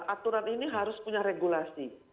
aturan ini harus punya regulasi